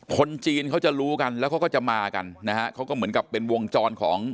คนจีนเขาจะรู้กันแล้วเขาก็จะมากันนะฮะเขาก็เหมือนกับเป็นวงจรของ